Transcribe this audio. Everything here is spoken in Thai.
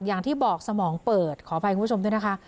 อย่างที่บอกสมองเปิดขออภัยคุณผู้ชมด้วยนะคะ